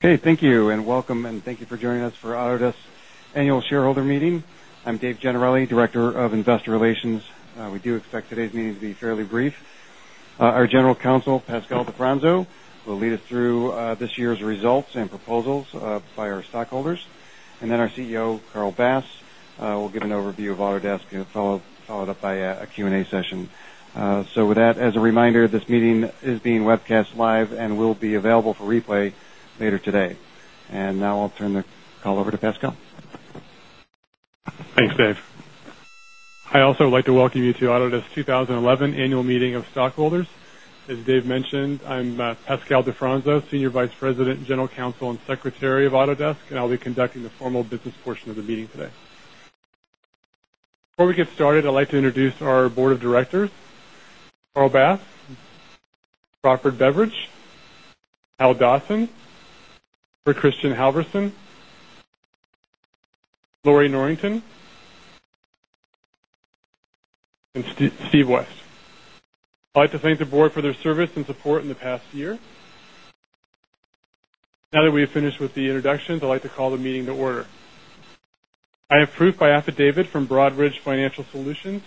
Thank you and welcome, and thank you for joining us for our Annual Shareholder Meeting. I'm Dave Gianarelli, Director of Investor Relations. We do expect today's meeting to be fairly brief. Our General Counsel, Pascal Di Fronzo, will lead us through this year's results and proposals by our stockholders. Our CEO, Carl Bass, will give an overview of Autodesk, followed up by a Q&A session. As a reminder, this meeting is being webcast live and will be available for replay later today. Now I'll turn the call over to Pascal. Thanks, Dave. I also would like to welcome you to Autodesk's 2011 annual meeting of stockholders. As Dave mentioned, I'm Pascal Di Fronzo, Senior Vice President, General Counsel, and Secretary of Autodesk, and I'll be conducting the formal business portion of the meeting today. Before we get started, I'd like to introduce our Board of Directors: Carl Bass, Robert Beveridge, Jay Hallam Dawson, Richard Christian Halvorson, Lori Norrington, and Stephen West. I'd like to thank the Board for their service and support in the past year. Now that we have finished with the introductions, I'd like to call the meeting to order. I have proof by affidavit from Broadridge Financial Solutions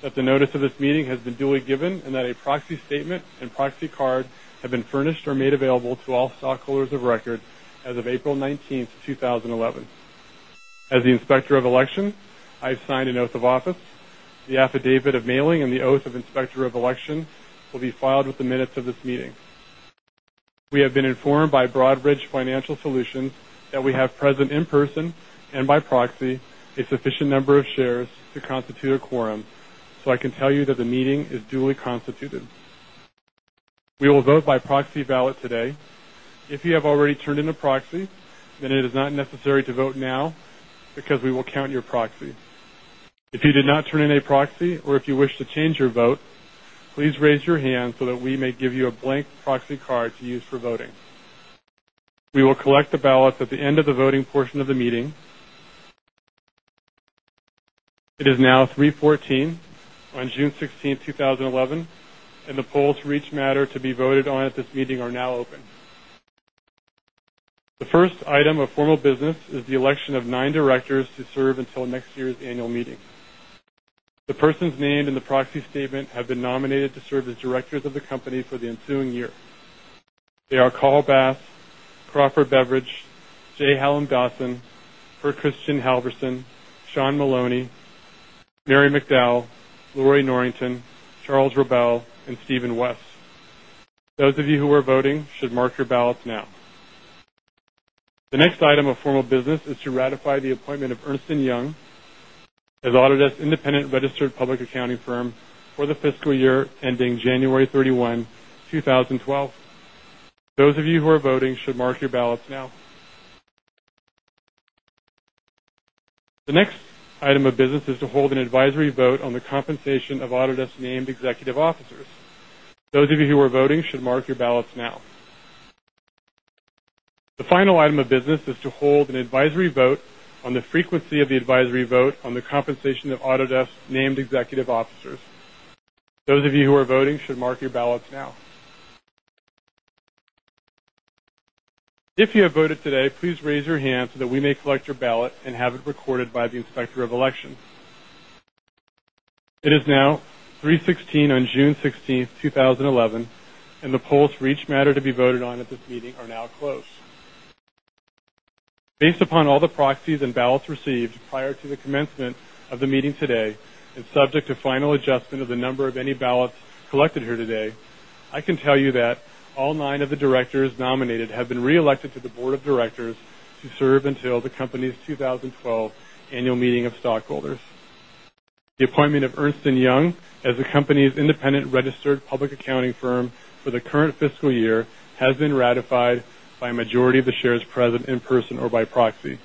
that the notice of this meeting has been duly given and that a proxy statement and proxy card have been furnished or made available to all stockholders of record as of April 19, 2011. As the Inspector of Election, I have signed an oath of office. The affidavit of mailing and the oath of Inspector of Election will be filed with the minutes of this meeting. We have been informed by Broadridge Financial Solutions that we have present in person and by proxy a sufficient number of shares to constitute a quorum, so I can tell you that the meeting is duly constituted. We will vote by proxy ballot today. If you have already turned in a proxy, then it is not necessary to vote now because we will count your proxy. If you did not turn in a proxy or if you wish to change your vote, please raise your hand so that we may give you a blank proxy card to use for voting. We will collect the ballots at the end of the voting portion of the meeting. It is now 3:14 P.M. on June 16, 2011, and the polls for each matter to be voted on at this meeting are now open. The first item of formal business is the election of nine directors to serve until next year's annual meeting. The persons named in the proxy statement have been nominated to serve as directors of the company for the ensuing year. They are Carl Bass, Robert Beveridge, Jay Hallam Dawson, Richard Christian Halvorson, Sean Maloney, Mary McDowell, Lori Norrington, Charles Rebell, and Stephen West. Those of you who are voting should mark your ballots now. The next item of formal business is to ratify the appointment of Ernst & Young as Autodesk's independent registered public accounting firm for the fiscal year ending January 31, 2012. Those of you who are voting should mark your ballots now. The next item of business is to hold an advisory vote on the compensation of Autodesk's named executive officers. Those of you who are voting should mark your ballots now. The final item of business is to hold an advisory vote on the frequency of the advisory vote on the compensation of Autodesk's named executive officers. Those of you who are voting should mark your ballots now. If you have voted today, please raise your hand so that we may collect your ballot and have it recorded by the Inspector of Election. It is now 3:16 P.M. on June 16, 2011, and the polls for each matter to be voted on at this meeting are now closed. Based upon all the proxies and ballots received prior to the commencement of the meeting today and subject to final adjustment of the number of any ballots collected here today, I can tell you that all nine of the directors nominated have been reelected to the Board of Directors to serve until the company's 2012 annual meeting of stockholders. The appointment of Ernst & Young as the company's independent registered public accounting firm for the current fiscal year has been ratified by a majority of the shares present in person or by proxy.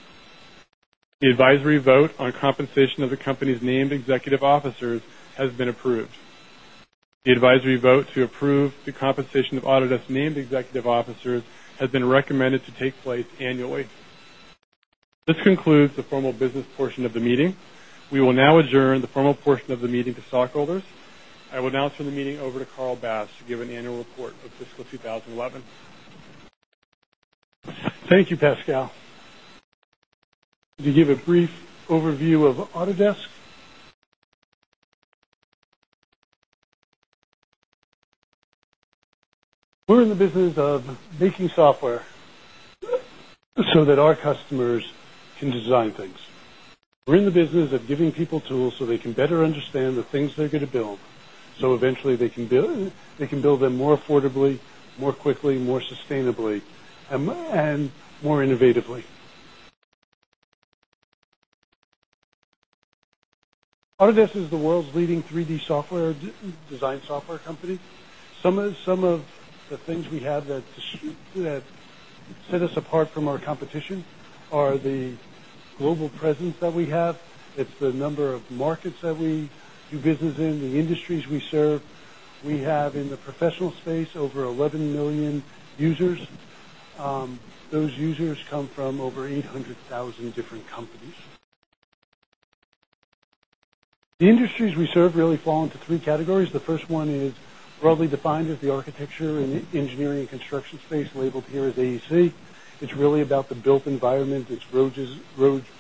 The advisory vote on compensation of the company's named executive officers has been approved. The advisory vote to approve the compensation of Autodesk's named executive officers has been recommended to take place annually. This concludes the formal business portion of the meeting. We will now adjourn the formal portion of the meeting to stockholders. I will now turn the meeting over to Carl Bass to give an annual report of fiscal 2011. Thank you, Pascal. You gave a brief overview of Autodesk. We're in the business of making software so that our customers can design things. We're in the business of giving people tools so they can better understand the things they're going to build, so eventually they can build them more affordably, more quickly, more sustainably, and more innovatively! Autodesk is the world's leading 3D design software company. Some of the things we have that set us apart from our competition are the global presence that we have. It's the number of markets that we do business in, the industries we serve. We have, in the professional space, over 11 million users. Those users come from over 800,000 different companies. The industries we serve really fall into three categories. The first one is broadly defined as the Architecture, Engineering & Construction space labeled here as AEC. It's really about the built environment. It's roads,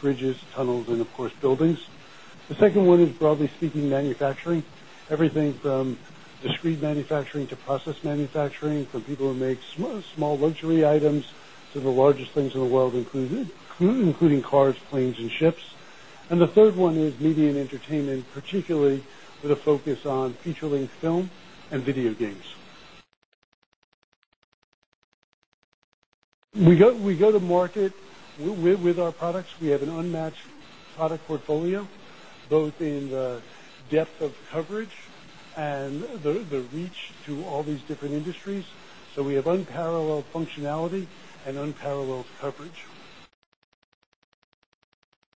bridges, tunnels, and of course buildings. The second one is, broadly speaking, Manufacturing. Everything from discrete manufacturing to process manufacturing, for people who make small luxury items to the largest things in the world, including cars, planes, and ships. The third one is Media & Entertainment, particularly with a focus on feature-length film and video games. We go to market with our products. We have an unmatched product portfolio, both in the depth of coverage and the reach to all these different industries. We have unparalleled functionality and unparalleled coverage.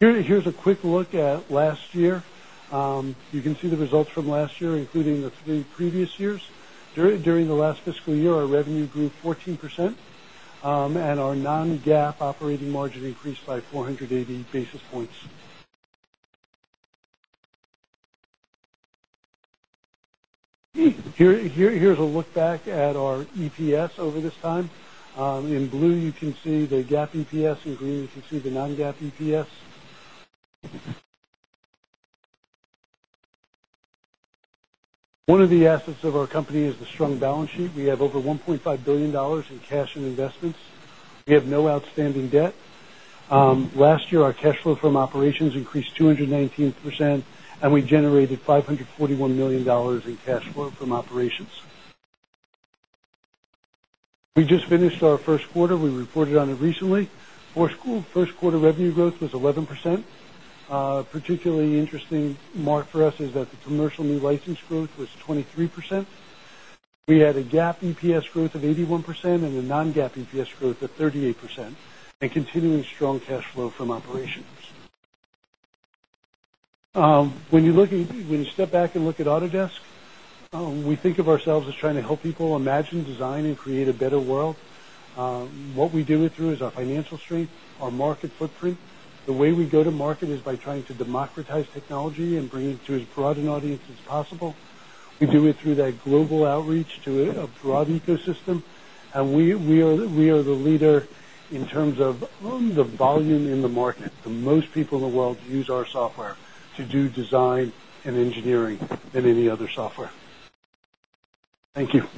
Here's a quick look at last year. You can see the results from last year, including the three previous years. During the last fiscal year, our revenue grew 14%, and our non-GAAP operating margin increased by 418 basis points. Here's a look back at our EPS over this time. In blue, you can see the GAAP EPS, and in green, you can see the non-GAAP EPS. One of the assets of our company is the strong balance sheet. We have over $1.5 billion in cash and investments. We have no outstanding debt. Last year, our cash flow from operations increased 219%, and we generated $541 million in cash flow from operations. We just finished our first quarter. We reported on it recently. Our first quarter revenue growth was 11%. A particularly interesting mark for us is that the commercial new license growth was 23%. We had a GAAP EPS growth of 81% and a non-GAAP EPS growth of 38%, and continuing strong cash flow from operations. When you step back and look at Autodesk, we think of ourselves as trying to help people imagine, design, and create a better world. What we do it through is our financial strength, our market footprint. The way we go to market is by trying to democratize technology and bring it to as broad an audience as possible. We do it through that global outreach to a broad ecosystem, and we are the leader in terms of the volume in the market. The most people in the world use our software to do design and engineering than any other software. Thank you.